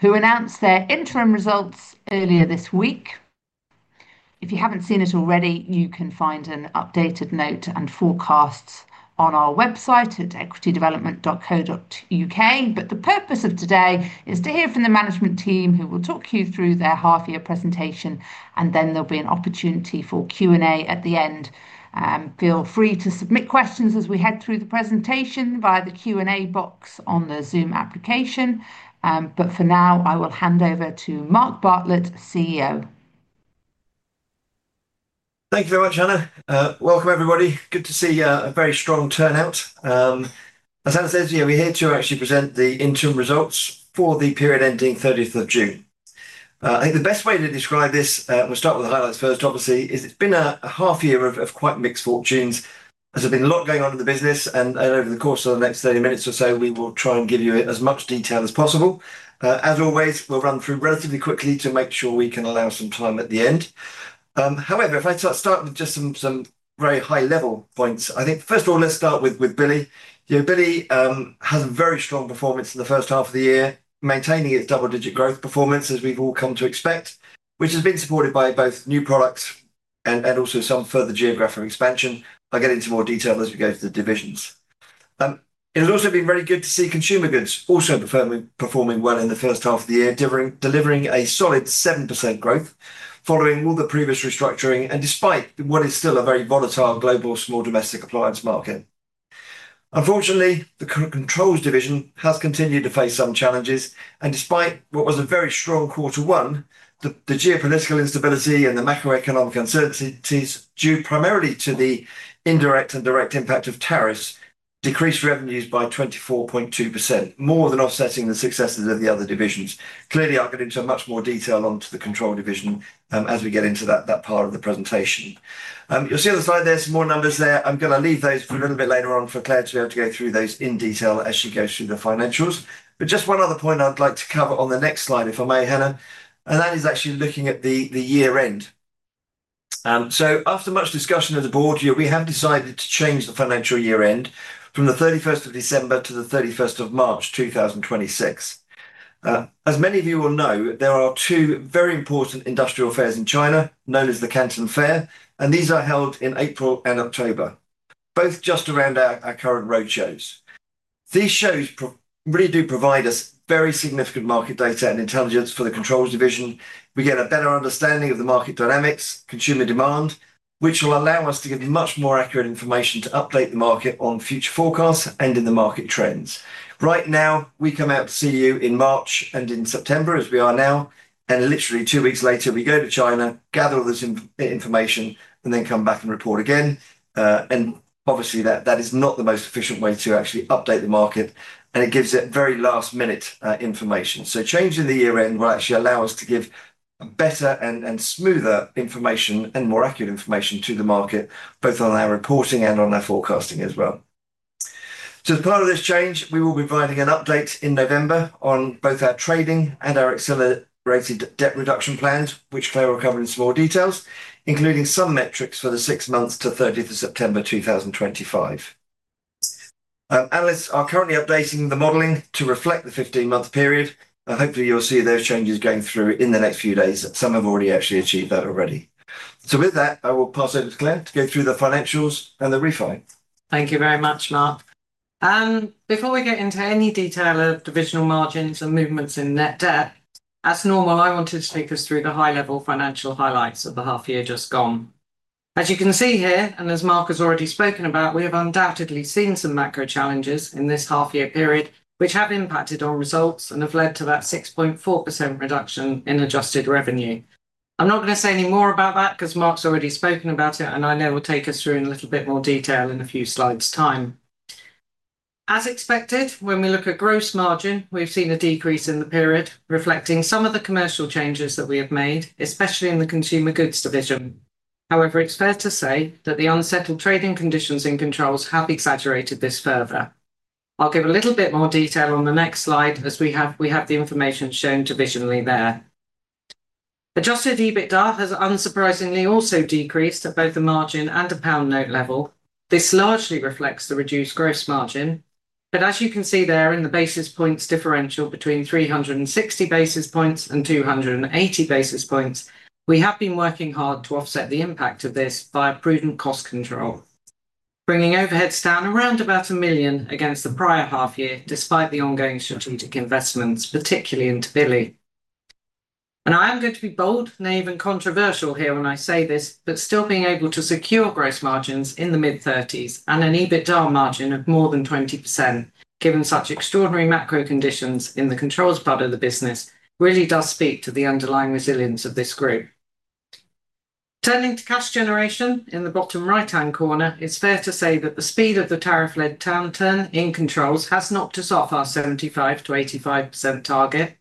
Who announced their interim results earlier this week. If you haven't seen it already, you can find an updated note and forecast on our website at equitydevelopment.co.uk. The purpose of today is to hear from the management team, who will talk you through their half-year presentation, and then there'll be an opportunity for Q&A at the end. Feel free to submit questions as we head through the presentation via the Q&A box on the Zoom application. For now, I will hand over to Mark Bartlett, CEO. Thank you very much, Hannah. Welcome, everybody. Good to see a very strong turnout. As Hannah says, yeah, we're here to actually present the interim results for the period ending 30th of June. I think the best way to describe this, we'll start with the highlights first, obviously, is it's been a half-year of quite mixed fortunes. There's been a lot going on in the business, and I know over the course of the next 30 minutes or so, we will try and give you as much detail as possible. As always, we'll run through relatively quickly to make sure we can allow some time at the end. However, if I start with just some very high-level points, I think first of all, let's start with Billy. You know, Billy has a very strong performance in the first half of the year, maintaining its double-digit growth performance as we've all come to expect, which has been supported by both new products and also some further geographic expansion. I'll get into more detail as we go to the divisions. It has also been very good to see Consumer Goods also performing well in the first half of the year, delivering a solid 7% growth following all the previous restructuring and despite what is still a very volatile global small domestic appliance market. Unfortunately, the Controls division has continued to face some challenges, and despite what was a very strong quarter one, the geopolitical instability and the macroeconomic uncertainties, due primarily to the indirect and direct impact of tariffs, decreased revenues by 24.2%, more than offsetting the successes of the other divisions. Clearly, I'll get into much more detail onto the Controls division as we get into that part of the presentation. You'll see on the slide there are some more numbers there. I'm going to leave those for a little bit later on for Clare to be able to go through those in detail as she goes through the financials. Just one other point I'd like to cover on the next slide, if I may, Hannah, and that is actually looking at the year-end. After much discussion of the board, we have decided to change the financial year-end from the 31st of December to the 31st of March 2026. As many of you will know, there are two very important industrial fairs in China, known as the Canton Fair, and these are held in April and October, both just around our current road shows. These shows really do provide us very significant market data and intelligence for the Controls division. We get a better understanding of the market dynamics, consumer demand, which will allow us to give much more accurate information to update the market on future forecasts and in the market trends. Right now, we come out to see you in March and in September, as we are now, and literally two weeks later, we go to China, gather all this information, and then come back and report again. Obviously, that is not the most efficient way to actually update the market, and it gives it very last-minute information. Changing the year-end will actually allow us to give better and smoother information and more accurate information to the market, both on our reporting and on our forecasting as well. As part of this change, we will be providing an update in November on both our trading and our accelerated debt reduction plans, which Clare will cover in some more details, including some metrics for the six months to 30th of September 2025. Alice is currently updating the modelling to reflect the 15-month period, and hopefully, you'll see those changes going through in the next few days. Some have already actually achieved that already. With that, I will pass over to Clare to go through the financials and the refi. Thank you very much, Mark. Before we get into any detail of divisional margins and movements in net debt, as normal, I wanted to take us through the high-level financial highlights of the half-year just gone. As you can see here, and as Mark has already spoken about, we have undoubtedly seen some macro challenges in this half-year period, which have impacted our results and have led to that 6.4% reduction in adjusted revenue. I'm not going to say any more about that because Mark's already spoken about it, and I know we'll take us through in a little bit more detail in a few slides' time. As expected, when we look at gross margin, we've seen a decrease in the period, reflecting some of the commercial changes that we have made, especially in the Consumer Goods division. However, it's fair to say that the unsettled trading conditions in controls have exaggerated this further. I'll give a little bit more detail on the next slide as we have the information shown divisionally there. Adjusted EBITDA has unsurprisingly also decreased at both the margin and the pound note level. This largely reflects the reduced gross margin. As you can see there in the basis points differential between 360 basis points and 280 basis points, we have been working hard to offset the impact of this via prudent cost control, bringing overheads down around about 1 million against the prior half-year, despite the ongoing strategic investments, particularly into Billy. I am going to be bold, naive, and controversial here when I say this, but still being able to secure gross margins in the mid-30s and an EBITDA margin of more than 20%, given such extraordinary macro conditions in the controls part of the business, really does speak to the underlying resilience of this group. Turning to cash generation, in the bottom right-hand corner, it's fair to say that the speed of the tariff-led turn in controls has knocked us off our 75-85% target.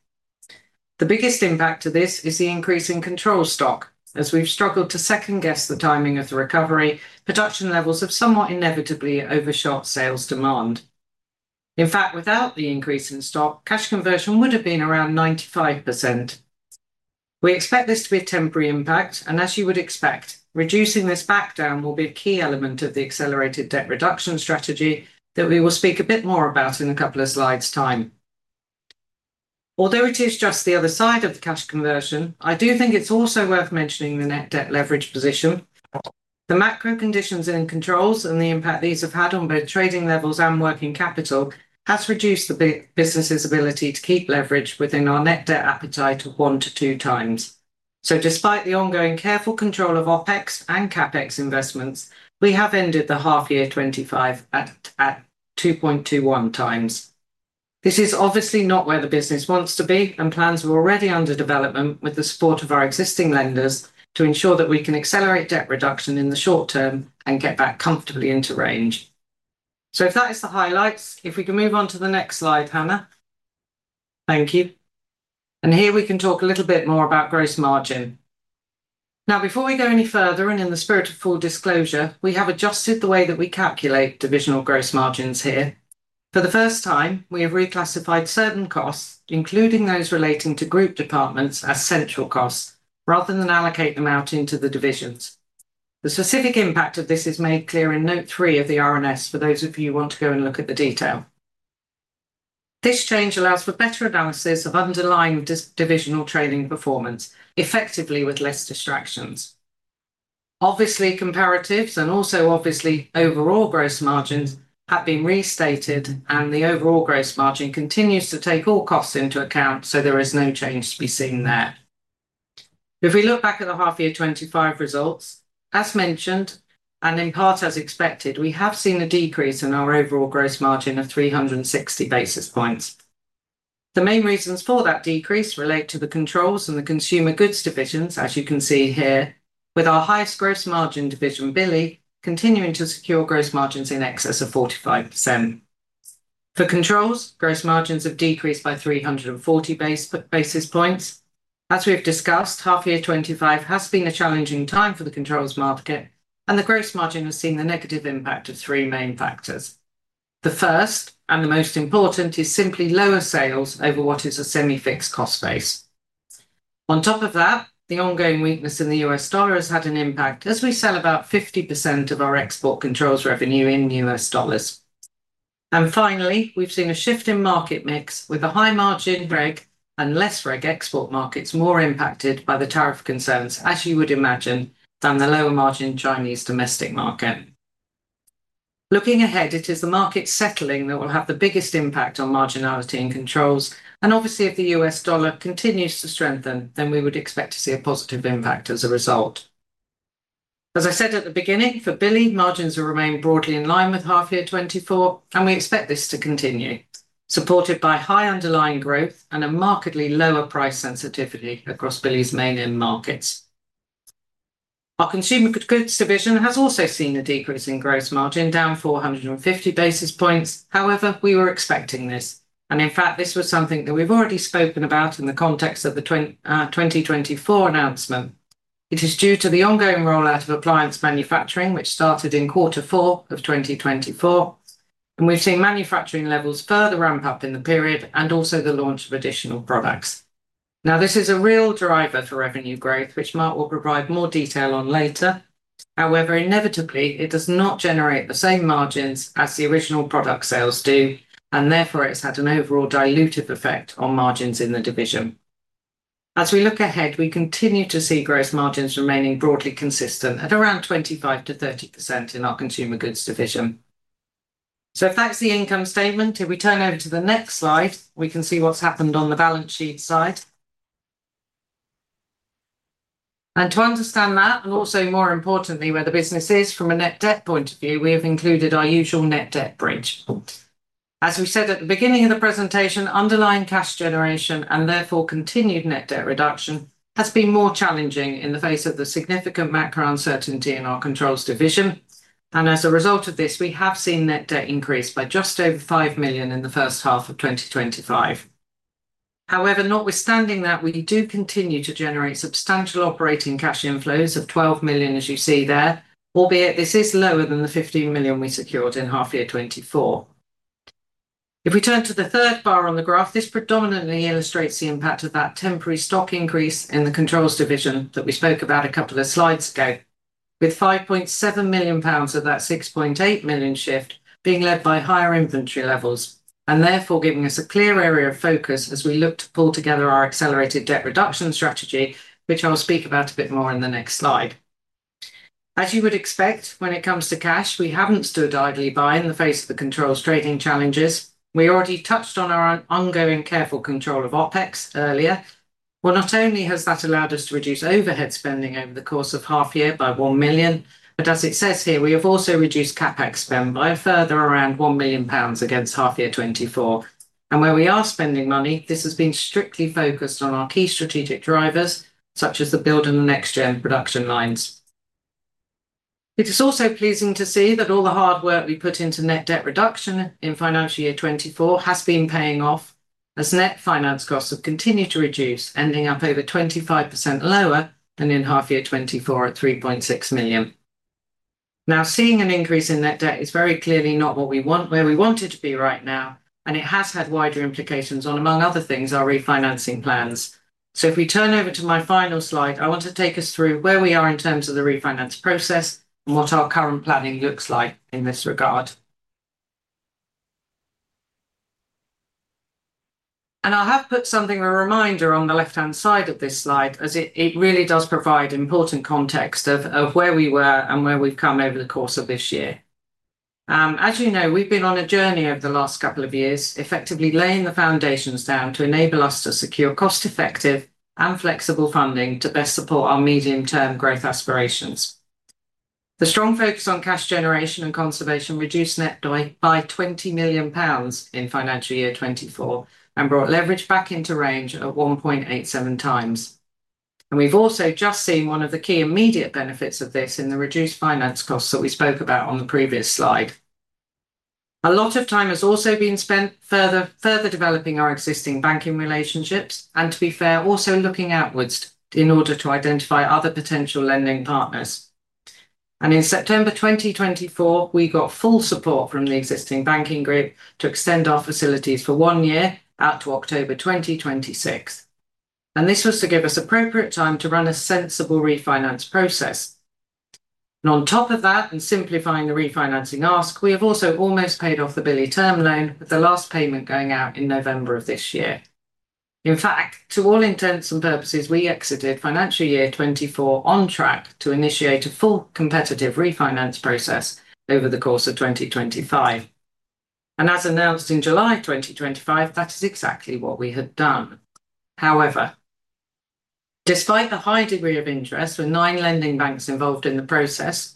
The biggest impact to this is the increase in control stock. As we've struggled to second-guess the timing of the recovery, production levels have somewhat inevitably overshot sales demand. In fact, without the increase in stock, cash conversion would have been around 95%. We expect this to be a temporary impact, and as you would expect, reducing this back down will be a key element of the accelerated debt reduction strategy that we will speak a bit more about in a couple of slides' time. Although it is just the other side of the cash conversion, I do think it's also worth mentioning the net debt leverage position. The macro conditions in controls and the impact these have had on both trading levels and working capital have reduced the business's ability to keep leverage within our net debt appetite of 1-2 times. Despite the ongoing careful control of OpEx and CapEx investments, we have ended the half-year 2025 at 2.21 times. This is obviously not where the business wants to be, and plans are already under development with the support of our existing lenders to ensure that we can accelerate debt reduction in the short term and get back comfortably into range. If that is the highlights, if we can move on to the next slide, Hannah. Thank you. Here we can talk a little bit more about gross margin. Now, before we go any further, and in the spirit of full disclosure, we have adjusted the way that we calculate divisional gross margins here. For the first time, we have reclassified certain costs, including those relating to group departments, as central costs, rather than allocate them out into the divisions. The specific impact of this is made clear in note 3 of the R&S for those of you who want to go and look at the detail. This change allows for better analysis of underlying divisional trading performance, effectively with less distractions. Comparatives and also overall gross margins have been restated, and the overall gross margin continues to take all costs into account, so there is no change to be seen there. If we look back at the half-year 2025 results, as mentioned, and in part as expected, we have seen a decrease in our overall gross margin of 360 basis points. The main reasons for that decrease relate to the controls and the Consumer Goods divisions, as you can see here, with our highest gross margin division, Billy, continuing to secure gross margins in excess of 45%. For controls, gross margins have decreased by 340 basis points. As we have discussed, half-year 2025 has been a challenging time for the controls market, and the gross margin has seen the negative impact of three main factors. The first and the most important is simply lower sales over what is a semi-fixed cost base. On top of that, the ongoing weakness in the U.S. dollar has had an impact, as we sell about 50% of our export controls revenue in U.S. dollars. Finally, we've seen a shift in market mix with a high margin reg and less reg export markets more impacted by the tariff concerns, as you would imagine, than the lower margin Chinese domestic market. Looking ahead, it is the market settling that will have the biggest impact on marginality in controls, and obviously, if the U.S. dollar continues to strengthen, then we would expect to see a positive impact as a result. As I said at the beginning, for Billy, margins will remain broadly in line with half-year 2024, and we expect this to continue, supported by high underlying growth and a markedly lower price sensitivity across Billy's main in-markets. Our Consumer Goods division has also seen a decrease in gross margin, down 450 basis points. However, we were expecting this, and in fact, this was something that we've already spoken about in the context of the 2024 announcement. It is due to the ongoing rollout of appliance manufacturing, which started in quarter four of 2024, and we've seen manufacturing levels further ramp up in the period and also the launch of additional products. This is a real driver for revenue growth, which Mark will provide more detail on later. However, inevitably, it does not generate the same margins as the original product sales do, and therefore, it's had an overall dilutive effect on margins in the division. As we look ahead, we continue to see gross margins remaining broadly consistent at around 25-30% in our Consumer Goods division. If that's the income statement, if we turn over to the next slide, we can see what's happened on the balance sheet side. To understand that, and also more importantly, where the business is from a net debt point of view, we have included our usual net debt bridge. As we said at the beginning of the presentation, underlying cash generation and therefore continued net debt reduction has been more challenging in the face of the significant macro uncertainty in our Controls division. As a result of this, we have seen net debt increase by just over 5 million in the first half of 2025. However, notwithstanding that, we do continue to generate substantial operating cash inflows of 12 million, as you see there, albeit this is lower than the 15 million we secured in half-year 2024. If we turn to the third bar on the graph, this predominantly illustrates the impact of that temporary stock increase in the controls division that we spoke about a couple of slides ago, with 5.7 million pounds of that 6.8 million shift being led by higher inventory levels, and therefore giving us a clear area of focus as we look to pull together our accelerated debt reduction strategy, which I'll speak about a bit more in the next slide. As you would expect, when it comes to cash, we haven't stood idly by in the face of the controls trading challenges. We already touched on our ongoing careful control of OpEx earlier. Not only has that allowed us to reduce overhead spending over the course of half a year by 1 million, but as it says here, we have also reduced CapEx spend by a further around 1 million pounds against half year 2024. Where we are spending money, this has been strictly focused on our key strategic drivers, such as the build and the next-gen production lines. It is also pleasing to see that all the hard work we put into net debt reduction in financial year 2024 has been paying off, as net finance costs have continued to reduce, ending up over 25% lower than in half year 2024 at 3.6 million. Now, seeing an increase in net debt is very clearly not where we want it to be right now, and it has had wider implications on, among other things, our refinancing plans. If we turn over to my final slide, I want to take us through where we are in terms of the refinance process and what our current planning looks like in this regard. I have put something of a reminder on the left-hand side of this slide, as it really does provide important context of where we were and where we've come over the course of this year. As you know, we've been on a journey over the last couple of years, effectively laying the foundations down to enable us to secure cost-effective and flexible funding to best support our medium-term growth aspirations. The strong focus on cash generation and conservation reduced net debt by 20 million pounds in financial year 2024 and brought leverage back into range at 1.87 times. We've also just seen one of the key immediate benefits of this in the reduced finance costs that we spoke about on the previous slide. A lot of time has also been spent further developing our existing banking relationships and, to be fair, also looking outwards in order to identify other potential lending partners. In September 2024, we got full support from the existing banking group to extend our facilities for one year out to October 2026. This was to give us appropriate time to run a sensible refinance process. On top of that, and simplifying the refinancing ask, we have also almost paid off the Billy term loan with the last payment going out in November of this year. In fact, to all intents and purposes, we exited financial year 2024 on track to initiate a full competitive refinance process over the course of 2025. As announced in July 2025, that is exactly what we had done. However, despite the high degree of interest with nine lending banks involved in the process,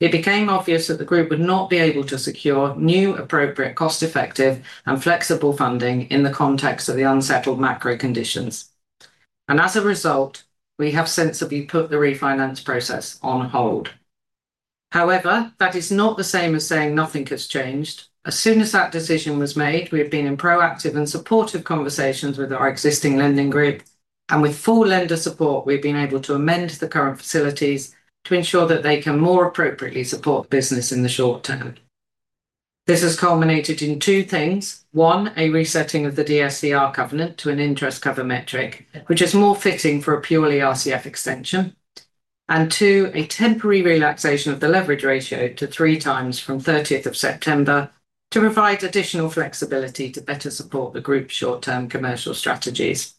it became obvious that the group would not be able to secure new, appropriate, cost-effective, and flexible funding in the context of the unsettled macro conditions. As a result, we have sensibly put the refinance process on hold. That is not the same as saying nothing has changed. As soon as that decision was made, we have been in proactive and supportive conversations with our existing lending group, and with full lender support, we've been able to amend the current facilities to ensure that they can more appropriately support the business in the short term. This has culminated in two things: one, a resetting of the DSCR covenant to an interest cover metric, which is more fitting for a purely RCF extension, and two, a temporary relaxation of the leverage ratio to three times from 30th of September to provide additional flexibility to better support the group's short-term commercial strategies.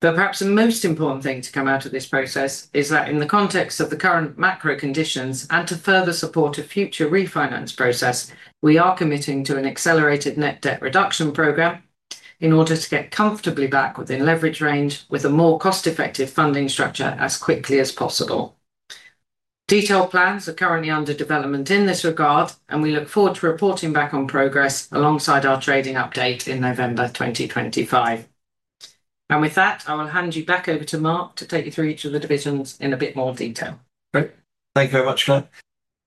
Perhaps the most important thing to come out of this process is that in the context of the current macro conditions and to further support a future refinance process, we are committing to an accelerated net debt reduction program in order to get comfortably back within leverage range with a more cost-effective funding structure as quickly as possible. Detailed plans are currently under development in this regard, and we look forward to reporting back on progress alongside our trading update in November 2025. With that, I will hand you back over to Mark to take you through each of the divisions in a bit more detail. Great. Thank you very much, Clare.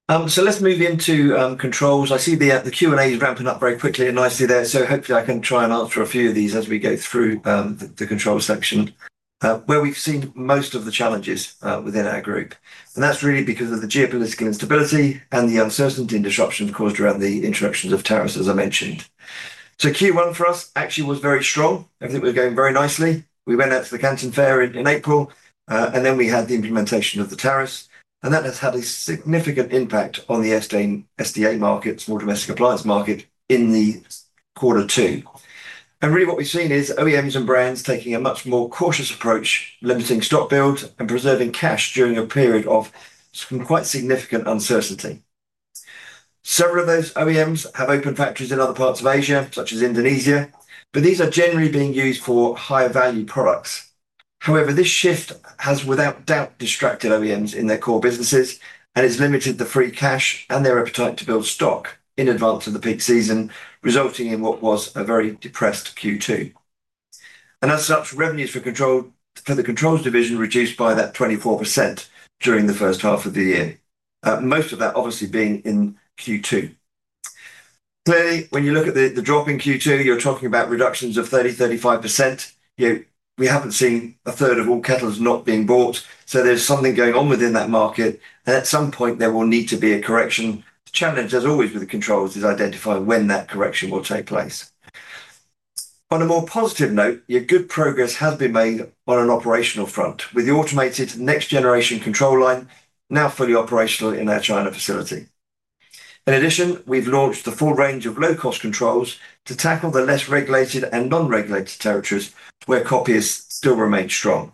Let's move into controls. I see the Q&A is ramping up very quickly and nicely there, so hopefully I can try and answer a few of these as we go through the control section, where we've seen most of the challenges within our group. That's really because of the geopolitical instability and the uncertainty and disruptions caused around the interruptions of tariffs, as I mentioned. Q1 for us actually was very strong. Everything was going very nicely. We went out to the Canton Fair in April, and then we had the implementation of the tariffs, and that has had a significant impact on the small domestic appliance market in Q2. What we've seen is OEMs and brands taking a much more cautious approach, limiting stock build and preserving cash during a period of some quite significant uncertainty. Several of those OEMs have open factories in other parts of Asia, such as Indonesia, but these are generally being used for higher-value products. However, this shift has without doubt distracted OEMs in their core businesses and has limited the free cash and their appetite to build stock in advance of the peak season, resulting in what was a very depressed Q2. As such, revenues for the controls division reduced by that 24% during the first half of the year, most of that obviously being in Q2. Clearly, when you look at the drop in Q2, you're talking about reductions of 30-35%. We haven't seen a third of all kettles not being bought, so there's something going on within that market, and at some point there will need to be a correction. The challenge, as always with the controls, is identifying when that correction will take place. On a more positive note, good progress has been made on an operational front with the automated next-generation control line now fully operational in our China facility. In addition, we've launched the full range of low-cost controls to tackle the less regulated and non-regulated territories where copies still remain strong.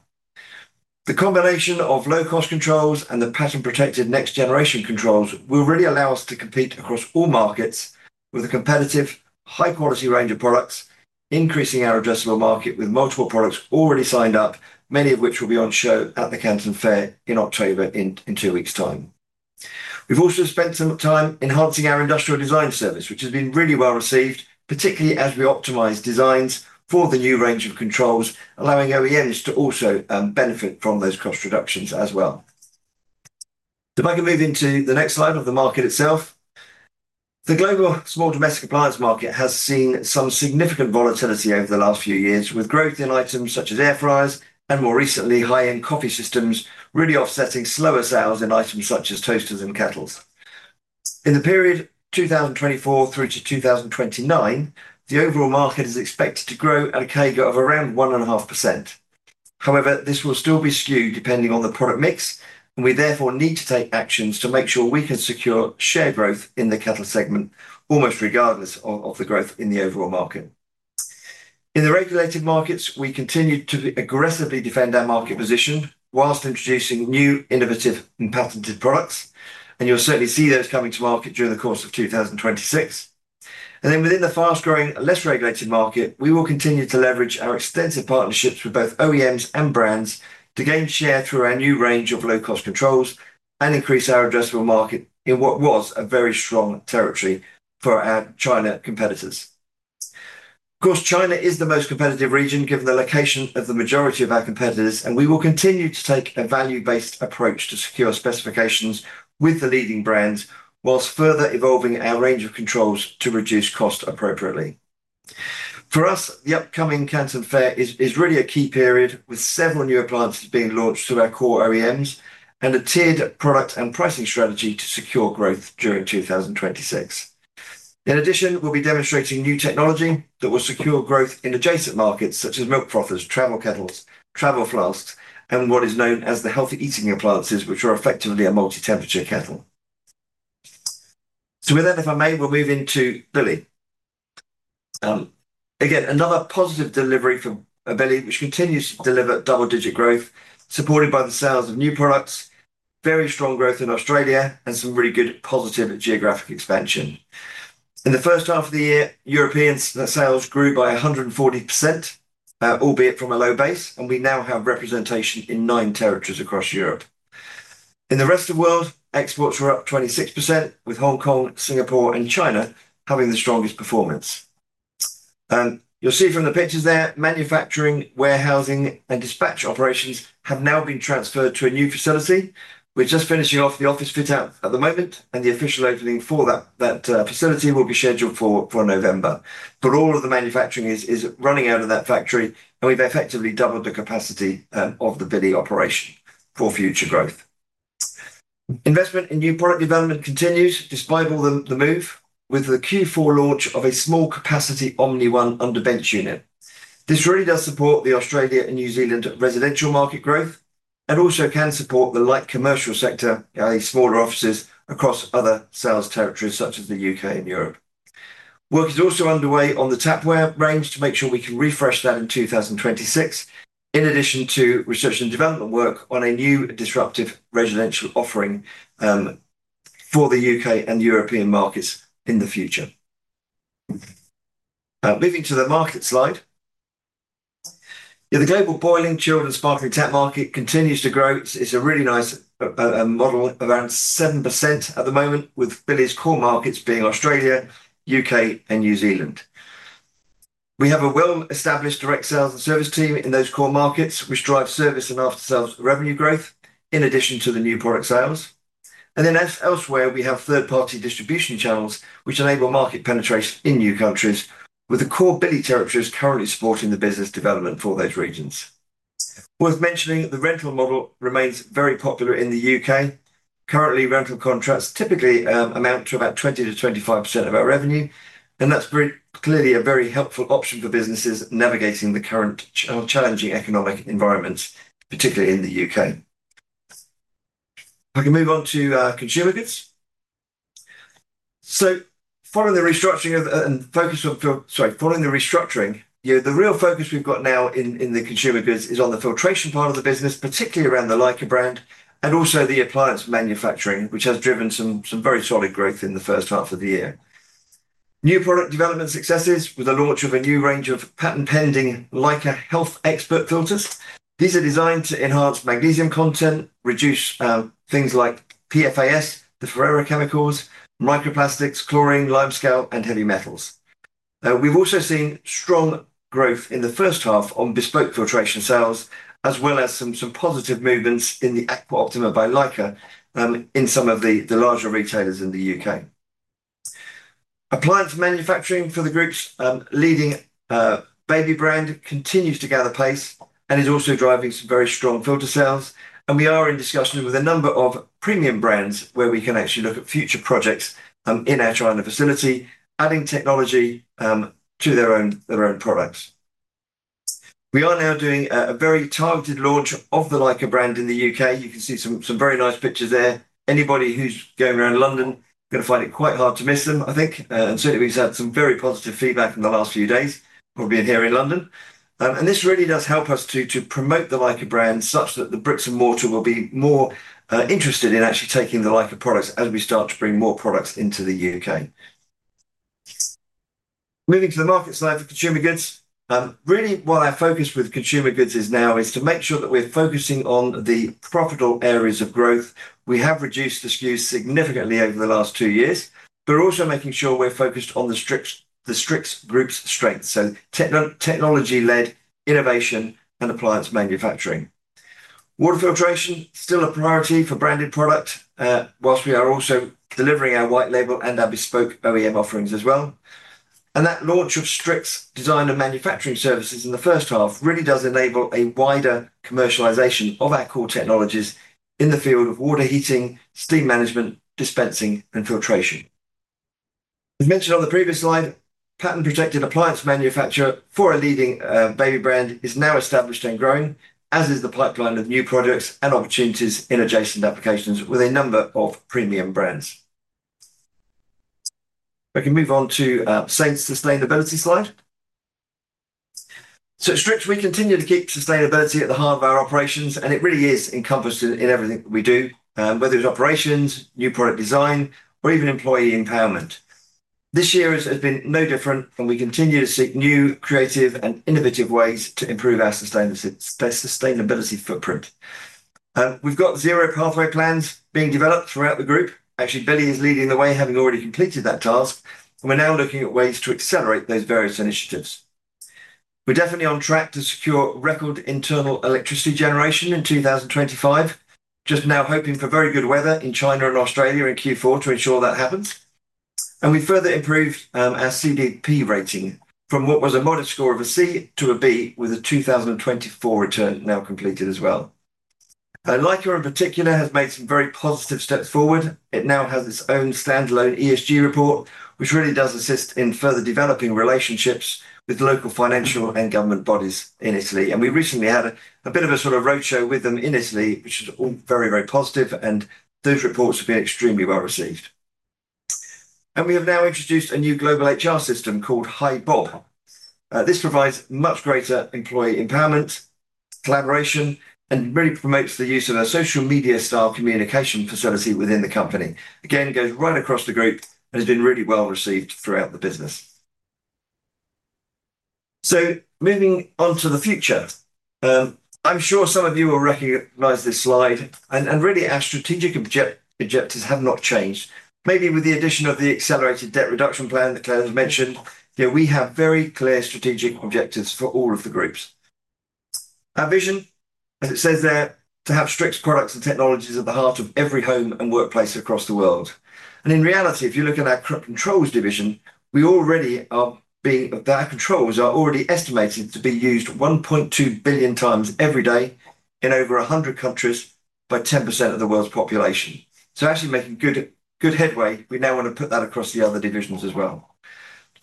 The combination of low-cost controls and the patent-protected next-generation controls will really allow us to compete across all markets with a competitive, high-quality range of products, increasing our addressable market with multiple products already signed up, many of which will be on show at the Canton Fair in October in two weeks' time. We've also spent some time enhancing our industrial design service, which has been really well received, particularly as we optimize designs for the new range of controls, allowing OEMs to also benefit from those cost reductions as well. If I can move into the next slide of the market itself, the global small domestic appliance market has seen some significant volatility over the last few years, with growth in items such as air fryers and more recently high-end coffee systems really offsetting slower sales in items such as toasters and kettles. In the period 2024 through to 2029, the overall market is expected to grow at a CAGR of around 1.5%. However, this will still be skewed depending on the product mix, and we therefore need to take actions to make sure we can secure share growth in the kettle segment, almost regardless of the growth in the overall market. In the regulated markets, we continue to aggressively defend our market position whilst introducing new innovative and patented products, and you'll certainly see those coming to market during the course of 2026. Within the fast-growing, less regulated market, we will continue to leverage our extensive partnerships with both OEMs and brands to gain share through our new range of low-cost controls and increase our addressable market in what was a very strong territory for our China competitors. Of course, China is the most competitive region given the location of the majority of our competitors, and we will continue to take a value-based approach to secure specifications with the leading brands whilst further evolving our range of controls to reduce cost appropriately. For us, the upcoming Canton Fair is really a key period with several new appliances being launched through our core OEMs and a tiered product and pricing strategy to secure growth during 2026. In addition, we'll be demonstrating new technology that will secure growth in adjacent markets such as milk frothers, travel kettles, travel flasks, and what is known as the healthy eating appliances, which are effectively a multi-temperature kettle. With that, if I may, we'll move into Billy. Again, another positive delivery for Billy, which continues to deliver double-digit growth supported by the sales of new products, very strong growth in Australia, and some really good positive geographic expansion. In the first half of the year, European sales grew by 140%, albeit from a low base, and we now have representation in nine territories across Europe. In the rest of the world, exports were up 26%, with Hong Kong, Singapore, and China having the strongest performance. You'll see from the pictures there, manufacturing, warehousing, and dispatch operations have now been transferred to a new facility. We're just finishing off the office fit-out at the moment, and the official opening for that facility will be scheduled for November. All of the manufacturing is running out of that factory, and we've effectively doubled the capacity of the Billy operation for future growth. Investment in new product development continues despite all the move, with the Q4 launch of a small capacity OmniOne underbench unit. This really does support the Australia and New Zealand residential market growth and also can support the light commercial sector, i.e., smaller offices across other sales territories such as the UK and Europe. Work is also underway on the Tapware range to make sure we can refresh that in 2026, in addition to research and development work on a new and disruptive residential offering for the UK and European markets in the future. Moving to the market slide, the global boiling, chilled, and sparkling tech market continues to grow. It's a really nice model of around 7% at the moment, with Billy's core markets being Australia, UK, and New Zealand. We have a well-established direct sales and service team in those core markets, which drive service and after-sales revenue growth in addition to the new product sales. Elsewhere, we have third-party distribution channels, which enable market penetration in new countries, with the core Billy territories currently supporting the business development for those regions. Worth mentioning that the rental model remains very popular in the UK. Currently, rental contracts typically amount to about 20-25% of our revenue, and that's clearly a very helpful option for businesses navigating the current challenging economic environment, particularly in the UK. I can move on to consumer goods. Following the restructuring, the real focus we've got now in the consumer goods is on the filtration part of the business, particularly around the Leica brand and also the appliance manufacturing, which has driven some very solid growth in the first half of the year. New product development successes with the launch of a new range of patent-pending Leica Health Expert filters. These are designed to enhance magnesium content, reduce things like PFAS, the forever chemicals, microplastics, chlorine, limescale, and heavy metals. We've also seen strong growth in the first half on bespoke filtration sales, as well as some positive movements in the Aqua Optima by Leica in some of the larger retailers in the UK. Appliance manufacturing for the group's leading baby brand continues to gather pace and is also driving some very strong filter sales. We are in discussions with a number of premium brands where we can actually look at future projects in our China facility, adding technology to their own products. We are now doing a very targeted launch of the Leica brand in the UK. You can see some very nice pictures there. Anybody who's going around London is going to find it quite hard to miss them, I think. Certainly, we've had some very positive feedback in the last few days, probably in here in London. This really does help us to promote the Leica brand such that the bricks and mortar will be more interested in actually taking the Leica products as we start to bring more products into the UK. Moving to the market side for consumer goods, really what our focus with consumer goods is now is to make sure that we're focusing on the profitable areas of growth. We have reduced the SKUs significantly over the last two years, but we're also making sure we're focused on the Strix Group's strengths, so technology-led innovation and appliance manufacturing. Water filtration is still a priority for branded product, whilst we are also delivering our white label and our bespoke OEM offerings as well. That launch of Strix design and manufacturing services in the first half really does enable a wider commercialization of our core technologies in the field of water heating, steam management, dispensing, and filtration. As mentioned on the previous slide, patent-protected appliance manufacture for a leading baby brand is now established and growing, as is the pipeline of new products and opportunities in adjacent applications with a number of premium brands. We can move on to the sustainability slide. At Strix, we continue to keep sustainability at the heart of our operations, and it really is encompassed in everything we do, whether it's operations, new product design, or even employee empowerment. This year has been no different, and we continue to seek new, creative, and innovative ways to improve our sustainability footprint. We've got zero pathway plans being developed throughout the group. Actually, Billy is leading the way, having already completed that task, and we're now looking at ways to accelerate those various initiatives. We're definitely on track to secure record internal electricity generation in 2025, just now hoping for very good weather in China and Australia in Q4 to ensure that happens. We further improved our CDP rating from what was a modest score of a C to a B, with a 2024 return now completed as well. Leica, in particular, has made some very positive steps forward. It now has its own standalone ESG report, which really does assist in further developing relationships with local financial and government bodies in Italy. We recently had a bit of a sort of roadshow with them in Italy, which is all very, very positive, and those reports have been extremely well received. We have now introduced a new global HR system called HiBot. This provides much greater employee empowerment, collaboration, and really promotes the use of a social media style communication facility within the company. It goes right across the group and has been really well received throughout the business. Moving on to the future, I'm sure some of you will recognize this slide, and really our strategic objectives have not changed, mainly with the addition of the accelerated debt reduction plan that Clare had mentioned. We have very clear strategic objectives for all of the groups. Our vision, as it says there, is to have Strix products and technologies at the heart of every home and workplace across the world. In reality, if you look at our controls division, we already are, our controls are already estimated to be used 1.2 billion times every day in over 100 countries by 10% of the world's population. Actually making good headway. We now want to put that across the other divisions as well.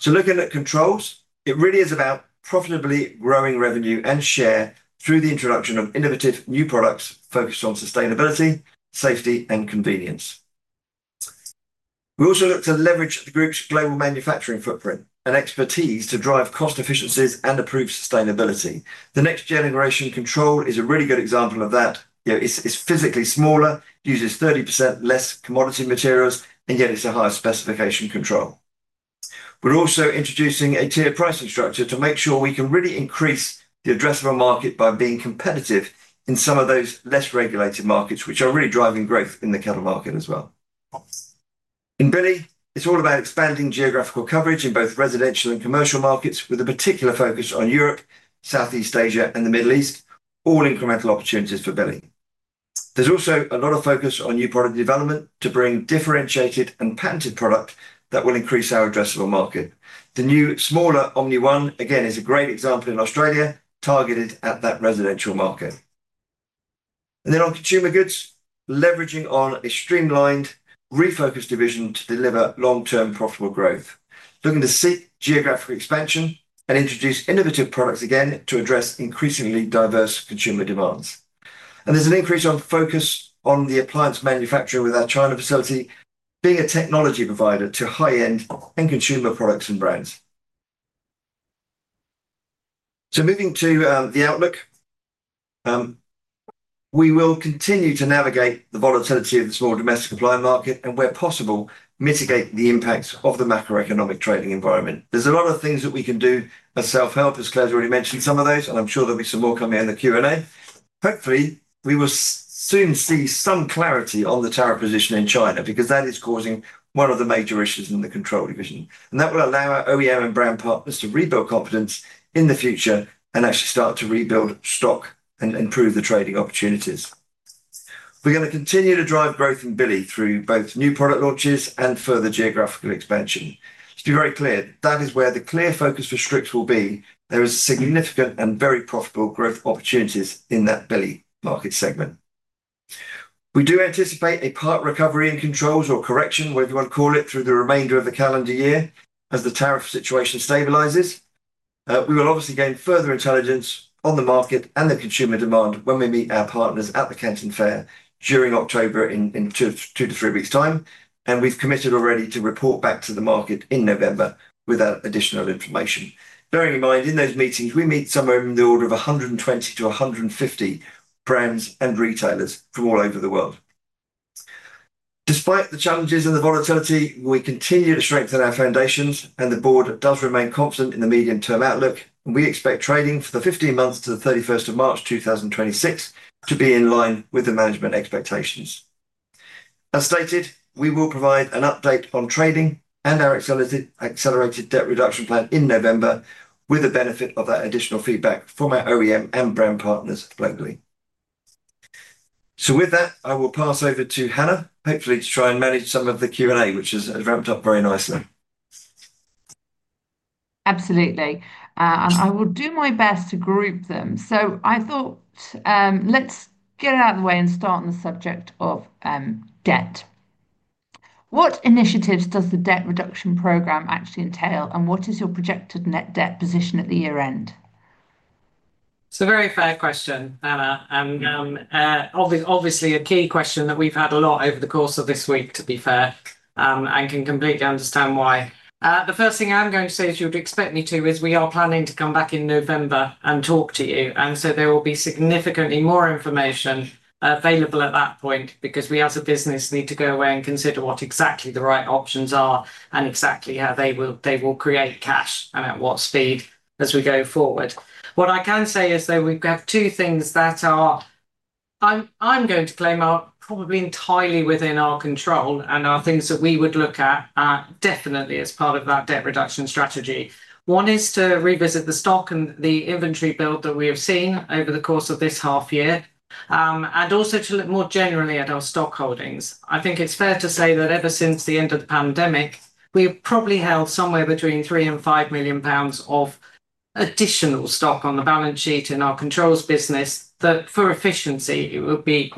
Looking at controls, it really is about profitably growing revenue and share through the introduction of innovative new products focused on sustainability, safety, and convenience. We also look to leverage the group's global manufacturing footprint and expertise to drive cost efficiencies and improve sustainability. The next-generation control is a really good example of that. It's physically smaller, uses 30% less commodity materials, and yet it's a high specification control. We're also introducing a tiered pricing structure to make sure we can really increase the addressable market by being competitive in some of those less regulated markets, which are really driving growth in the kettle market as well. In Billy, it's all about expanding geographical coverage in both residential and commercial markets, with a particular focus on Europe, Southeast Asia, and the Middle East, all incremental opportunities for Billy. There's also a lot of focus on new product development to bring differentiated and patented products that will increase our addressable market. The new smaller OmniOne, again, is a great example in Australia, targeted at that residential market. On consumer goods, leveraging on a streamlined, refocused division to deliver long-term profitable growth, looking to seek geographical expansion and introduce innovative products again to address increasingly diverse consumer demands. There's an increase in focus on the appliance manufacturing with our China facility, being a technology provider to high-end and consumer products and brands. Moving to the outlook, we will continue to navigate the volatility of the small domestic appliance market and, where possible, mitigate the impacts of the macroeconomic trading environment. There's a lot of things that we can do as self-help, as Clare's already mentioned some of those, and I'm sure there'll be some more coming in the Q&A. Hopefully, we will soon see some clarity on the tariff position in China because that is causing one of the major issues in the control division. That will allow our OEM and brand partners to rebuild confidence in the future and actually start to rebuild stock and improve the trading opportunities. We're going to continue to drive growth in Billy through both new product launches and further geographical expansion. To be very clear, that is where the clear focus for Strix will be. There are significant and very profitable growth opportunities in that Billy market segment. We do anticipate a part recovery in controls or correction, whatever you want to call it, through the remainder of the calendar year as the tariff situation stabilizes. We will obviously gain further intelligence on the market and the consumer demand when we meet our partners at the Canton Fair during October in two to three weeks' time. We have committed already to report back to the market in November with additional information. Bearing in mind, in those meetings, we meet somewhere in the order of 120-150 brands and retailers from all over the world. Despite the challenges and the volatility, we continue to strengthen our foundations, and the board does remain confident in the medium-term outlook. We expect trading for the 15 months to the 31st of March 2026 to be in line with the management expectations. As stated, we will provide an update on trading and our accelerated debt reduction plan in November with the benefit of our additional feedback from our OEM and brand partners globally. With that, I will pass over to Hannah, hopefully to try and manage some of the Q&A, which has ramped up very nicely. Absolutely. I will do my best to group them. I thought let's get out of the way and start on the subject of debt. What initiatives does the debt reduction program actually entail, and what is your projected net debt position at the year-end? Very fair question, Anna. Obviously, a key question that we've had a lot over the course of this week, to be fair, and can completely understand why. The first thing I'm going to say, as you'd expect me to, is we are planning to come back in November and talk to you. There will be significantly more information available at that point because we, as a business, need to go away and consider what exactly the right options are and exactly how they will create cash and at what speed as we go forward. What I can say is that we have two things that I'm going to claim are probably entirely within our control and are things that we would look at definitely as part of our debt reduction strategy. One is to revisit the stock and the inventory build that we have seen over the course of this half-year, and also to look more generally at our stock holdings. I think it's fair to say that ever since the end of the pandemic, we've probably held somewhere between 3 million and 5 million pounds of additional stock on the balance sheet in our controls business that, for efficiency, it would be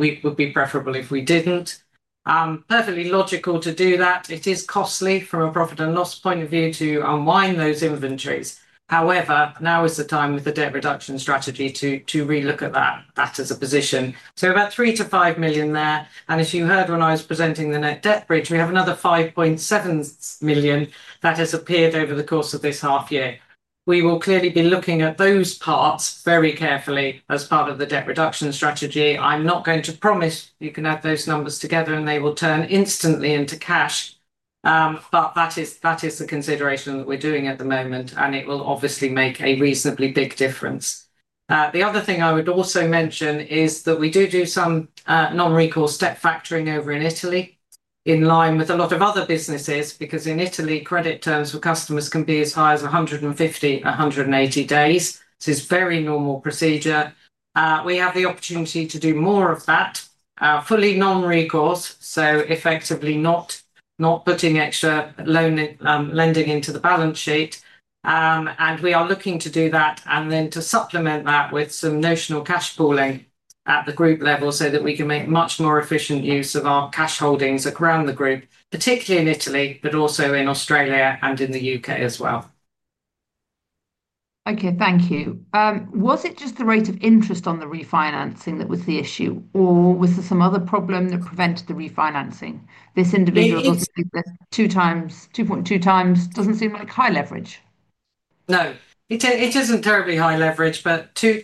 preferable if we didn't. Perfectly logical to do that. It is costly from a profit and loss point of view to unwind those inventories. However, now is the time with the debt reduction strategy to relook at that as a position. About 3 million-5 million there. As you heard when I was presenting the net debt bridge, we have another 5.7 million that has appeared over the course of this half-year. We will clearly be looking at those parts very carefully as part of the debt reduction strategy. I'm not going to promise you can add those numbers together and they will turn instantly into cash, but that is the consideration that we're doing at the moment, and it will obviously make a reasonably big difference. The other thing I would also mention is that we do do some non-recourse debt factoring over in Italy, in line with a lot of other businesses, because in Italy, credit terms for customers can be as high as 150-180 days. This is a very normal procedure. We have the opportunity to do more of that, fully non-recourse, so effectively not putting extra loan lending into the balance sheet. We are looking to do that and then to supplement that with some notional cash pooling at the group level so that we can make much more efficient use of our cash holdings around the group, particularly in Italy, but also in Australia and in the UK as well. Okay, thank you. Was it just the rate of interest on the refinancing that was the issue, or was there some other problem that prevented the refinancing? This individual doesn't seem like two times, 2.2 times doesn't seem like high leverage. No, it isn't terribly high leverage, but two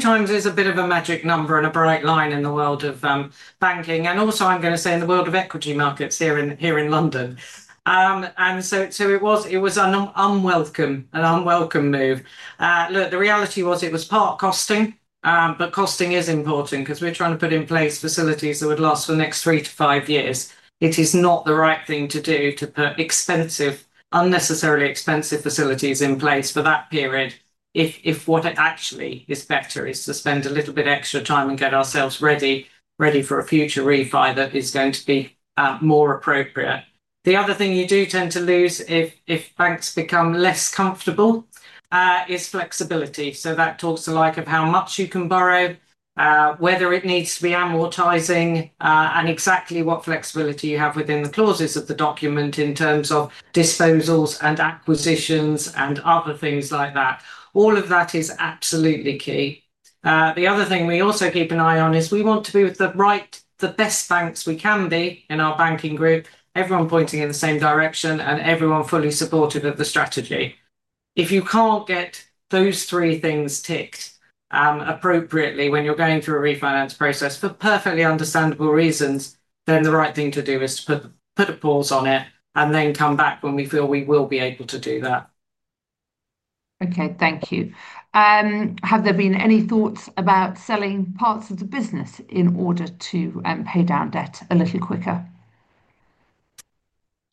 times is a bit of a magic number and a bright line in the world of banking. It is also, I'm going to say, in the world of equity markets here in London. It was an unwelcome move. Look, the reality was it was part costing, but costing is important because we're trying to put in place facilities that would last for the next three to five years. It is not the right thing to do to put expensive, unnecessarily expensive facilities in place for that period if what actually is better is to spend a little bit extra time and get ourselves ready for a future refi that is going to be more appropriate. The other thing you do tend to lose if banks become less comfortable is flexibility. That talks a lot about how much you can borrow, whether it needs to be amortizing, and exactly what flexibility you have within the clauses of the document in terms of disposals and acquisitions and other things like that. All of that is absolutely key. The other thing we also keep an eye on is we want to be with the right, the best banks we can be in our banking group, everyone pointing in the same direction and everyone fully supportive of the strategy. If you can't get those three things ticked appropriately when you're going through a refinance process for perfectly understandable reasons, the right thing to do is to put a pause on it and then come back when we feel we will be able to do that. Okay, thank you. Have there been any thoughts about selling parts of the business in order to pay down debt a little quicker?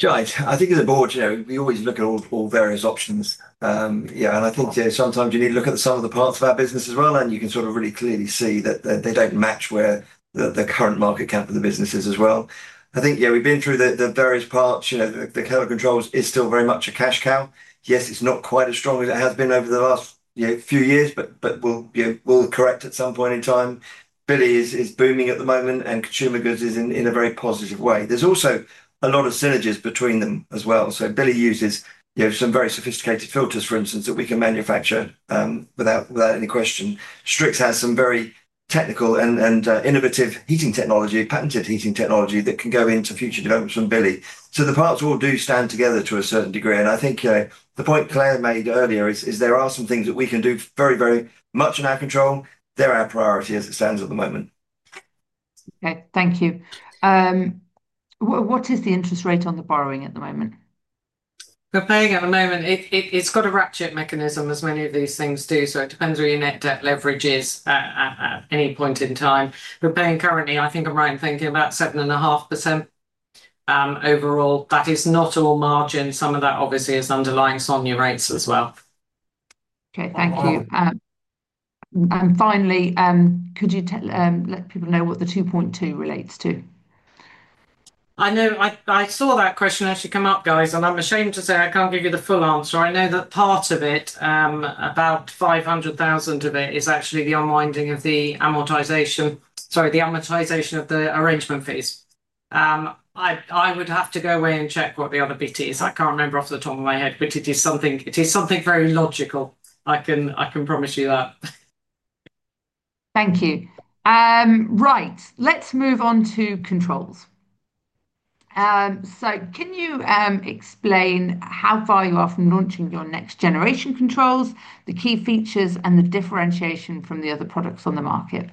I think as a board, you know, we always look at all various options. Sometimes you need to look at some of the parts of that business as well, and you can really clearly see that they don't match where the current market cap of the business is as well. I think we've been through the various parts. You know, the kettle controls is still very much a cash cow. Yes, it's not quite as strong as it has been over the last few years, but we'll correct at some point in time. Billy is booming at the moment, and consumer goods is in a very positive way. There's also a lot of synergies between them as well. Billy uses some very sophisticated filters, for instance, that we can manufacture without any question. Strix has some very technical and innovative heating technology, patented heating technology that can go into future developments from Billy. The parts all do stand together to a certain degree. I think the point Clare made earlier is there are some things that we can do very, very much in our control. They're our priority as it stands at the moment. Okay, thank you. What is the interest rate on the borrowing at the moment? We're paying at the moment, it's got a ratchet mechanism as many of these things do. It depends on where your net debt leverage is at any point in time. We're paying currently, I think I'm right in thinking about 7.5% overall. That is not all margin. Some of that obviously is underlying SOFR rates as well. Okay, thank you. Finally, could you let people know what the 2.2 relates to? I know I saw that question actually come up, and I'm ashamed to say I can't give you the full answer. I know that part of it, about 500,000 of it, is actually the unwinding of the amortization, sorry, the amortization of the arrangement fees. I would have to go away and check what the other bit is. I can't remember off the top of my head, but it is something very logical. I can promise you that. Thank you. Right, let's move on to controls. Can you explain how far you are from launching your next-generation controls, the key features, and the differentiation from the other products on the market?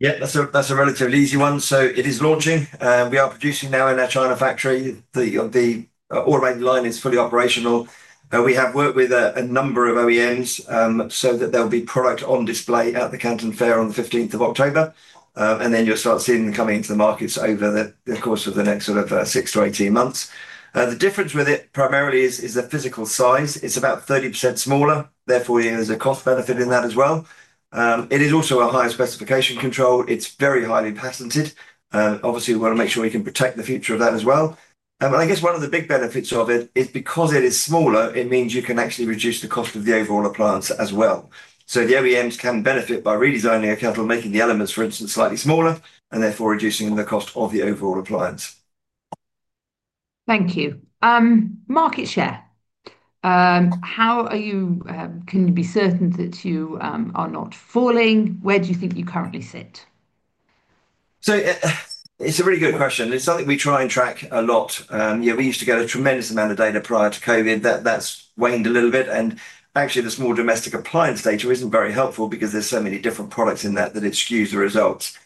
Yeah, that's a relatively easy one. It is launching. We are producing now in our China factory. The automated line is fully operational. We have worked with a number of OEMs so that there will be product on display at the Canton Fair on the 15th of October, and you'll start seeing them coming into the markets over the course of the next sort of 6 to 18 months. The difference with it primarily is the physical size. It's about 30% smaller. Therefore, there's a cost benefit in that as well. It is also a high specification control. It's very highly patented. Obviously, we want to make sure we can protect the future of that as well. I guess one of the big benefits of it is because it is smaller, it means you can actually reduce the cost of the overall appliance as well. The OEMs can benefit by redesigning their kettle, making the elements, for instance, slightly smaller, and therefore reducing the cost of the overall appliance. Thank you. Market share, how are you can be certain that you are not falling? Where do you think you currently sit? It's a really good question. It's something we try and track a lot. We used to get a tremendous amount of data prior to COVID. That's waned a little bit. Actually, the small domestic appliance data isn't very helpful because there are so many different products in that that it skews the results.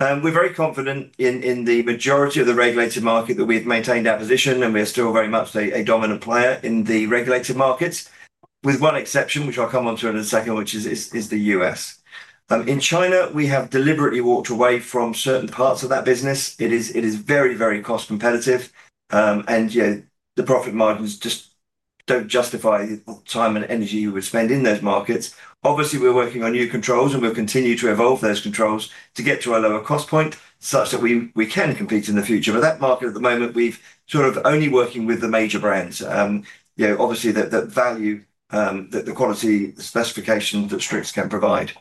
We're very confident in the majority of the regulated market that we've maintained our position, and we're still very much a dominant player in the regulated markets, with one exception, which I'll come onto in a second, which is the U.S. In China, we have deliberately walked away from certain parts of that business. It is very, very cost-competitive, and the profit margins just don't justify the time and energy you would spend in those markets. Obviously, we're working on new controls, and we'll continue to evolve those controls to get to our lower cost point such that we can compete in the future. That market at the moment, we're sort of only working with the major brands. Obviously, the value that the quality specifications of Strix can provide.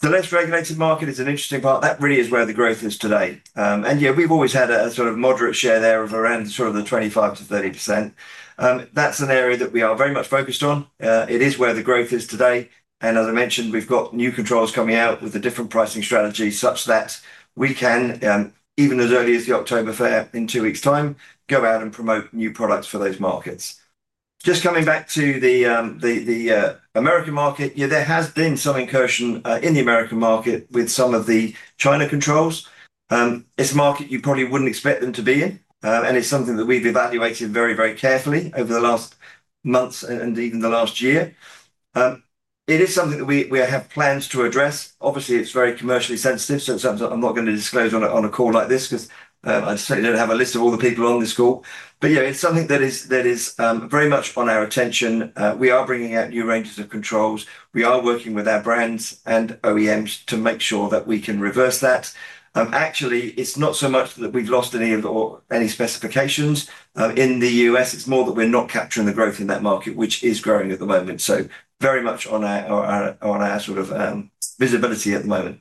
The less regulated market is an interesting part. That really is where the growth is today. We've always had a sort of moderate share there of around 25 to 30%. That's an area that we are very much focused on. It is where the growth is today. As I mentioned, we've got new controls coming out with a different pricing strategy such that we can, even as early as the October fair in two weeks' time, go out and promote new products for those markets. Just coming back to the American market, there has been some incursion in the American market with some of the China controls. It's a market you probably wouldn't expect them to be in, and it's something that we've evaluated very, very carefully over the last months and even the last year. It is something that we have plans to address. Obviously, it's very commercially sensitive, so I'm not going to disclose on a call like this because I certainly don't have a list of all the people on this call. It's something that is very much on our attention. We are bringing out new ranges of controls. We are working with our brands and OEMs to make sure that we can reverse that. Actually, it's not so much that we've lost any specifications in the U.S. It's more that we're not capturing the growth in that market, which is growing at the moment. Very much on our sort of visibility at the moment.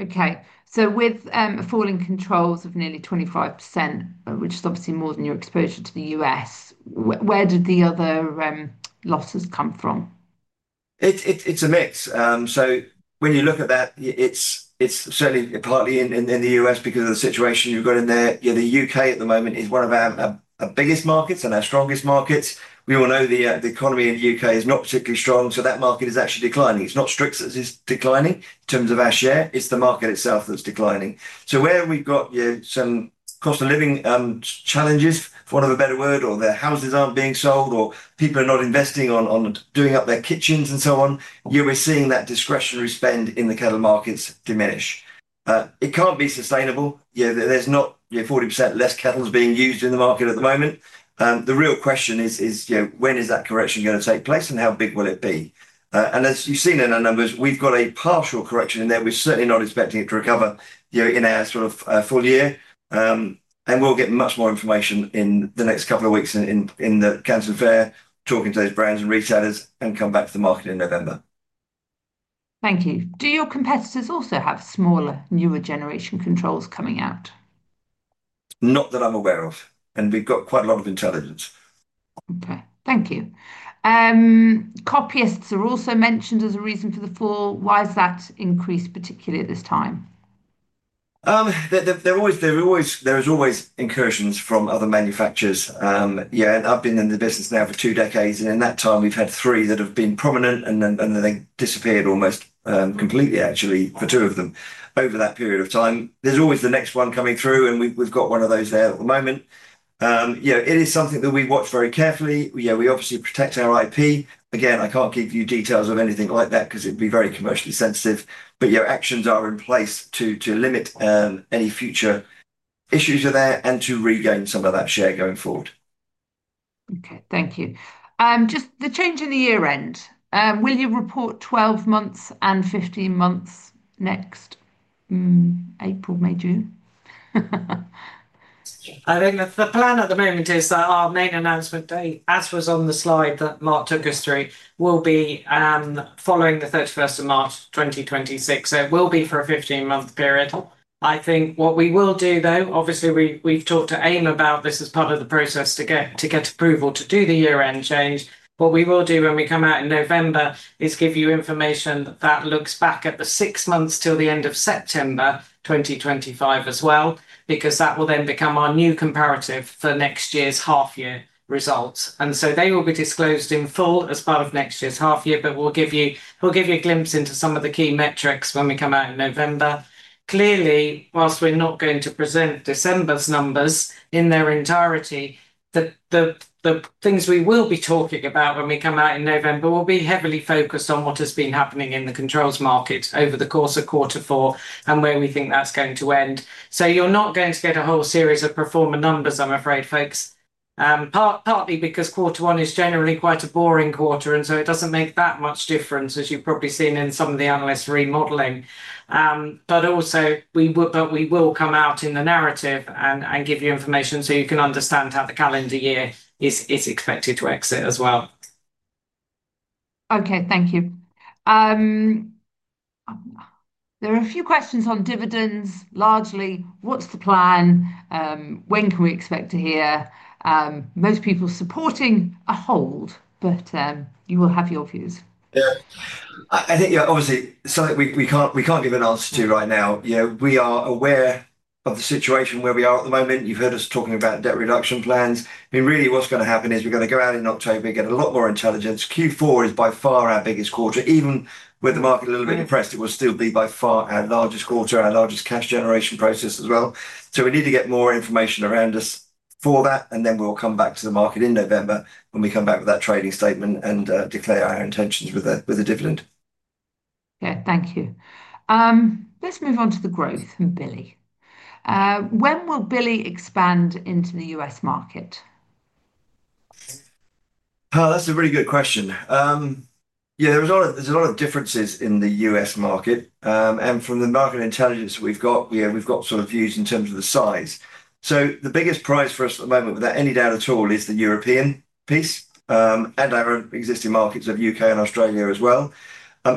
Okay, with falling controls of nearly 25%, which is obviously more than your exposure to the U.S., where did the other losses come from? It's a mix. When you look at that, it's certainly partly in the U.S. because of the situation you've got in there. The U.K. at the moment is one of our biggest markets and our strongest markets. We all know the economy in the U.K. is not particularly strong, so that market is actually declining. It's not Strix that is declining in terms of our share. It's the market itself that's declining. Where we've got some cost of living challenges, for want of a better word, or their houses aren't being sold, or people are not investing on doing up their kitchens and so on, we're seeing that discretionary spend in the kettle markets diminish. It can't be sustainable. There's not 40% less kettles being used in the market at the moment. The real question is, when is that correction going to take place and how big will it be? As you've seen in our numbers, we've got a partial correction in there. We're certainly not expecting it to recover in a sort of full year. We'll get much more information in the next couple of weeks in the Canton Fair, talking to those brands and retailers, and come back to the market in November. Thank you. Do your competitors also have smaller, newer generation controls coming out? Not that I'm aware of. We've got quite a lot of intelligence. Okay, thank you. Copyists are also mentioned as a reason for the fall. Why has that increased particularly at this time? There are always incursions from other manufacturers. I've been in the business now for two decades, and in that time, we've had three that have been prominent and then disappeared almost completely, actually, for two of them over that period of time. There's always the next one coming through, and we've got one of those there at the moment. It is something that we watch very carefully. We obviously protect our IP. Again, I can't give you details of anything like that because it'd be very commercially sensitive, but your actions are in place to limit any future issues of that and to regain some of that share going forward. Okay, thank you. Just the change in the year-end. Will you report 12 months and 15 months next? April, May, June? I think the plan at the moment is that our main announcement date, as was on the slide that Mark Bartlett took us through, will be following the 31st of March 2026. It will be for a 15-month period. I think what we will do, though, obviously we've talked to AIM about this as part of the process to get approval to do the year-end change. What we will do when we come out in November is give you information that looks back at the six months till the end of September 2025 as well, because that will then become our new comparative for next year's half-year results. They will be disclosed in full as part of next year's half-year, but we'll give you a glimpse into some of the key metrics when we come out in November. Clearly, whilst we're not going to present December's numbers in their entirety, the things we will be talking about when we come out in November will be heavily focused on what has been happening in the controls market over the course of quarter four and where we think that's going to end. You're not going to get a whole series of pro forma numbers, I'm afraid, folks, partly because quarter one is generally quite a boring quarter, and it doesn't make that much difference, as you've probably seen in some of the analysts' remodeling. We will come out in the narrative and give you information so you can understand how the calendar year is expected to exit as well. Okay, thank you. There are a few questions on dividends, largely. What's the plan? When can we expect to hear? Most people are supporting a hold, but you will have your views. I think obviously something we can't even answer to right now. We are aware of the situation where we are at the moment. You've heard us talking about debt reduction plans. What is going to happen is we're going to go out in October, get a lot more intelligence. Q4 is by far our biggest quarter. Even with the market a little bit depressed, it will still be by far our largest quarter, our largest cash generation process as well. We need to get more information around us for that, and then we'll come back to the market in November when we come back with that trading statement and declare our intentions with a dividend. Okay, thank you. Let's move on to the growth in Billy. When will Billy expand into the U.S. market? That's a really good question. There's a lot of differences in the U.S. market, and from the market intelligence we've got, we've got views in terms of the size. The biggest prize for us at the moment, without any doubt at all, is the European piece and our existing markets of the UK and Australia as well.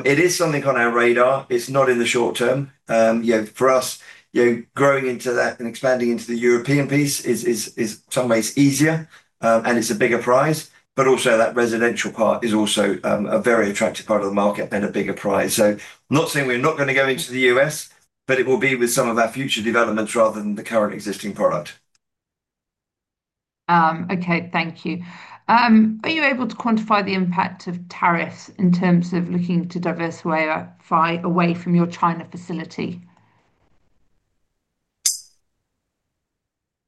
It is something on our radar. It's not in the short term. For us, growing into that and expanding into the European piece is in some ways easier, and it's a bigger prize, but also that residential part is also a very attractive part of the market and a bigger prize. I'm not saying we're not going to go into the U.S., but it will be with some of our future developments rather than the current existing product. Okay, thank you. Are you able to quantify the impact of tariffs in terms of looking to diversify away from your China facility?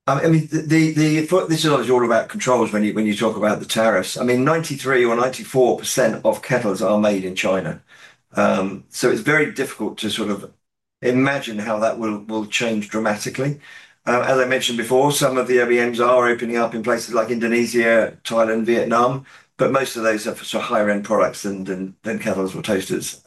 This is all about controls when you talk about the tariffs. 93 or 94% of kettles are made in China. It's very difficult to imagine how that will change dramatically. As I mentioned before, some of the OEMs are opening up in places like Indonesia, Thailand, and Vietnam, but most of those are for higher-end products than kettles or toasters.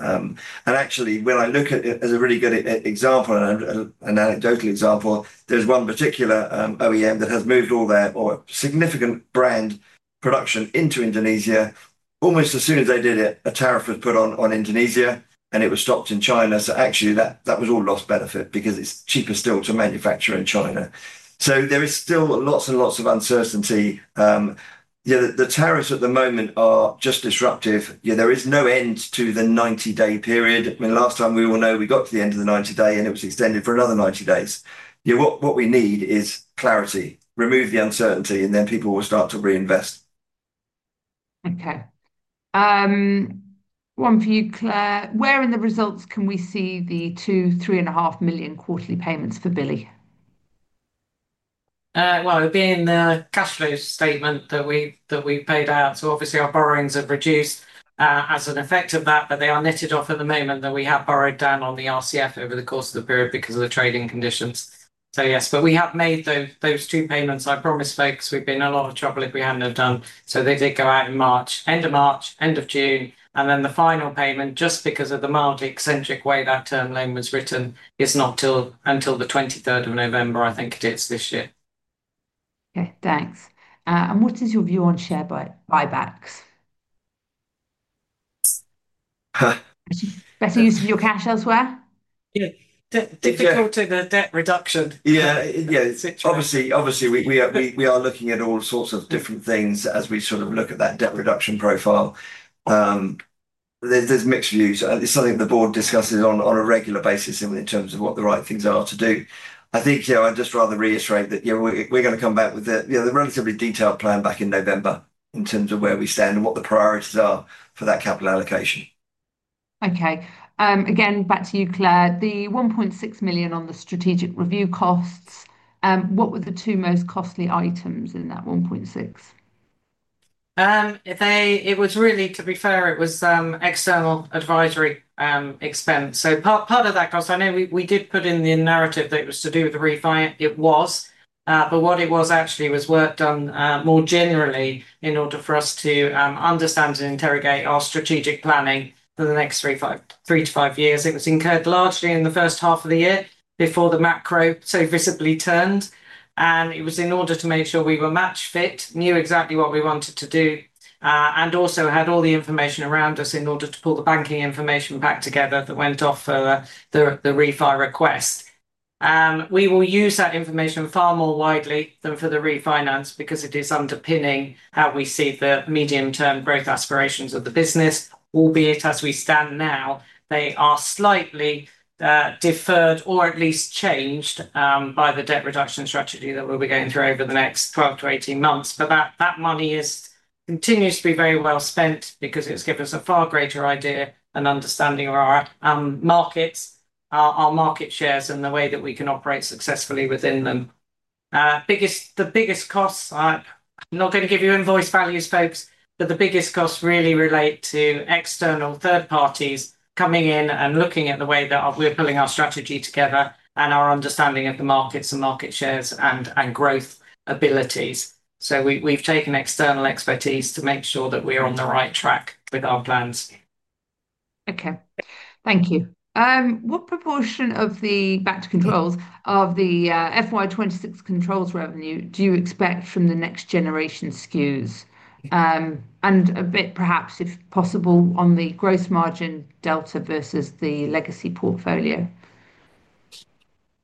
Actually, when I look at it as a really good example and an anecdotal example, there's one particular OEM that has moved all their significant brand production into Indonesia. Almost as soon as they did it, a tariff was put on Indonesia, and it was stopped in China. That was all lost benefit because it's cheaper still to manufacture in China. There are still lots and lots of uncertainty. The tariffs at the moment are just disruptive. There is no end to the 90-day period. Last time we all know, we got to the end of the 90-day, and it was extended for another 90 days. What we need is clarity, remove the uncertainty, and then people will start to reinvest. Okay. One for you, Clare. Where in the results can we see the two 3.5 million quarterly payments for Billy? It would be in the cash flow statement that we've paid out. Obviously, our borrowings have reduced as an effect of that, but they are netted off at the moment that we have borrowed down on the RCF over the course of the period because of the trading conditions. Yes, we have made those two payments. I promise folks, we'd be in a lot of trouble if we hadn't have done. They did go out in March, end of March, end of June, and then the final payment, just because of the market-centric way that term loan was written, is not until the 23rd of November, I think it is this year. Okay, thanks. What is your view on share buybacks? Better use of your cash elsewhere? Yeah, difficult to get a debt reduction. Obviously, we are looking at all sorts of different things as we look at that debt reduction profile. There are mixed views. It is something the board discusses on a regular basis in terms of what the right things are to do. I think I'd just rather reiterate that we're going to come back with the relatively detailed plan back in November in terms of where we stand and what the priorities are for that capital allocation. Okay. Again, back to you, Clare. The 1.6 million on the strategic review costs, what were the two most costly items in that 1.6 million? It was really, to be fair, it was external advisory expense. Part of that cost, I know we did put in the narrative that it was to do with the refinance. It was, but what it was actually was work done more generally in order for us to understand and interrogate our strategic planning for the next three to five years. It was incurred largely in the first half of the year before the macro so visibly turned, and it was in order to make sure we were match-fit, knew exactly what we wanted to do, and also had all the information around us in order to pull the banking information back together that went off for the refi request. We will use that information far more widely than for the refinance because it is underpinning how we see the medium-term growth aspirations of the business, albeit as we stand now, they are slightly deferred or at least changed by the debt reduction strategy that we'll be going through over the next 12 to 18 months. That money continues to be very well spent because it's given us a far greater idea and understanding of our markets, our market shares, and the way that we can operate successfully within them. The biggest costs, I'm not going to give you invoice values, folks, but the biggest costs really relate to external third parties coming in and looking at the way that we're pulling our strategy together and our understanding of the markets and market shares and growth abilities. We've taken external expertise to make sure that we're on the right track with our plans. Okay, thank you. What proportion of the back to controls of the FY2026 controls revenue do you expect from the next-generation SKUs? If possible, a bit on the gross margin delta versus the legacy portfolio?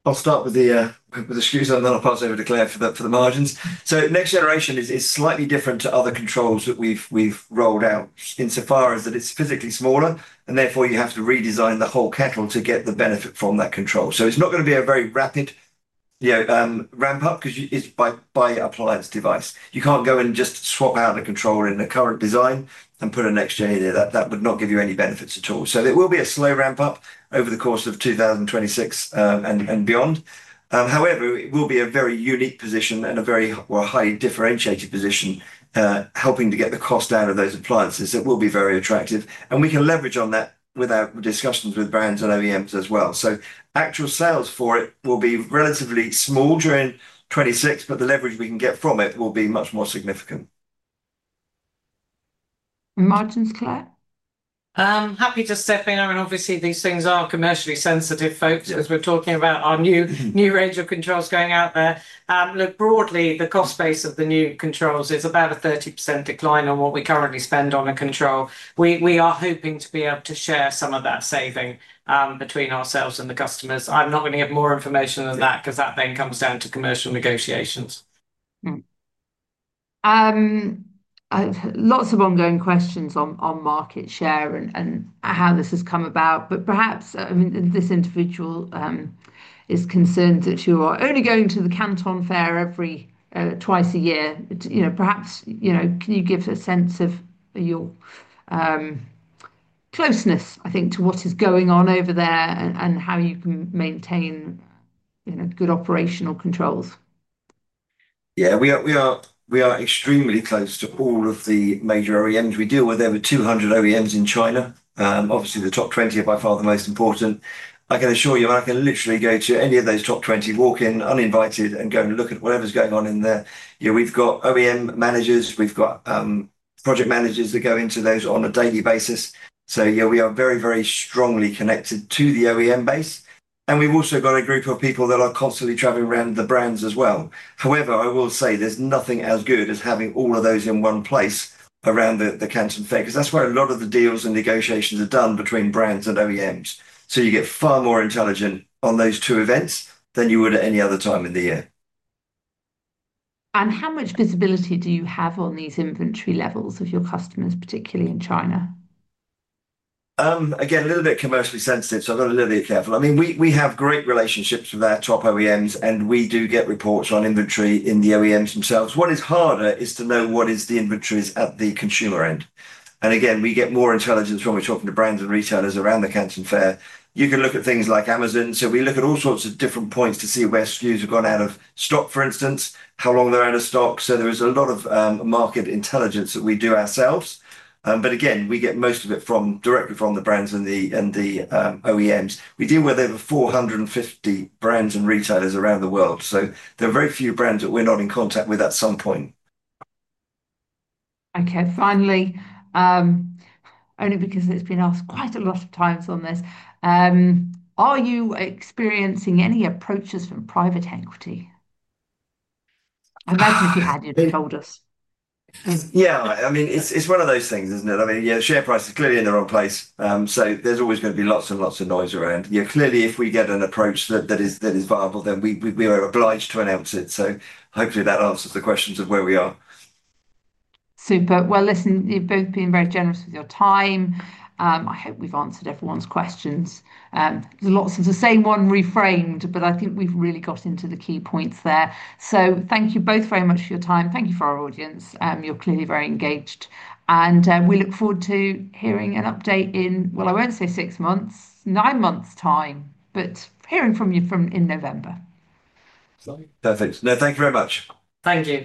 I'll start with the SKUs, and then I'll pass over to Clare for the margins. Next generation is slightly different to other controls that we've rolled out in so far as that it's physically smaller, and therefore you have to redesign the whole kettle to get the benefit from that control. It's not going to be a very rapid ramp-up because it's by appliance device. You can't go and just swap out a control in the current design and put a next-gen in there. That would not give you any benefits at all. There will be a slow ramp-up over the course of 2026 and beyond. However, it will be a very unique position and a very highly differentiated position, helping to get the cost down of those appliances that will be very attractive. We can leverage on that with our discussions with brands and OEMs as well. Actual sales for it will be relatively small during 2026, but the leverage we can get from it will be much more significant. Martins, Clare? Happy to step in. Obviously, these things are commercially sensitive, folks, as we're talking about our new range of controls going out there. Broadly, the cost base of the new controls is about a 30% decline on what we currently spend on a control. We are hoping to be able to share some of that saving between ourselves and the customers. I'm not going to give more information than that because that then comes down to commercial negotiations. Lots of ongoing questions on market share and how this has come about. This individual is concerned that you are only going to the Canton Fair twice a year. Perhaps, can you give a sense of your closeness, I think, to what is going on over there and how you can maintain good operational controls? Yeah, we are extremely close to all of the major OEMs. We deal with over 200 OEMs in China. Obviously, the top 20 are by far the most important. I can assure you, I can literally go to any of those top 20, walk in uninvited, and go and look at whatever's going on in there. We've got OEM managers, we've got project managers that go into those on a daily basis. Yeah, we are very, very strongly connected to the OEM base. We've also got a group of people that are constantly traveling around the brands as well. However, I will say there's nothing as good as having all of those in one place around the Canton Fair because that's where a lot of the deals and negotiations are done between brands and OEMs. You get far more intelligence on those two events than you would at any other time in the year. How much visibility do you have on these inventory levels of your customers, particularly in China? Again, a little bit commercially sensitive, so I've got to be a little bit careful. I mean, we have great relationships with our top OEMs, and we do get reports on inventory in the OEMs themselves. What is harder is to know what the inventory is at the consumer end. We get more intelligence when we're talking to brands and retailers around the Canton Fair. You can look at things like Amazon. We look at all sorts of different points to see where SKUs have gone out of stock, for instance, how long they're out of stock. There is a lot of market intelligence that we do ourselves. We get most of it directly from the brands and the OEMs. We deal with over 450 brands and retailers around the world. There are very few brands that we're not in contact with at some point. Okay, finally, only because it's been asked quite a lot of times on this, are you experiencing any approaches from private equity? I imagine if you hadn't, you'd have told us. Yeah, I mean, it's one of those things, isn't it? I mean, yeah, the share price is clearly in the wrong place. There is always going to be lots and lots of noise around. Clearly, if we get an approach that is viable, then we are obliged to announce it. Hopefully, that answers the questions of where we are. Super. Listen, you've both been very generous with your time. I hope we've answered everyone's questions. There's a lot of the same one reframed, but I think we've really got into the key points there. Thank you both very much for your time. Thank you for our audience. You're clearly very engaged. We look forward to hearing an update in, I won't say six months, nine months' time, but hearing from you in November. Perfect. No, thank you very much. Thank you.